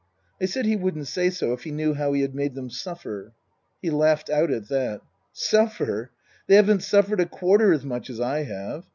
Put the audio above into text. I said he wouldn't say so if he knew how he had made them suffer. He laughed out at that. " Suffer ? They haven't suffered a quarter as much as I have.